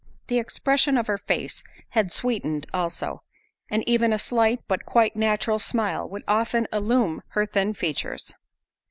The expression of her face had sweetened also, and even a slight but quite natural smile would often illumine her thin features.